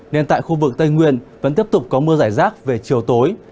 nên tại khu vực tây nguyên vẫn tiếp tục có mưa giải rác về chiều tối